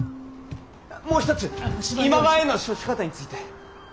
あもう一つ今川への処し方について。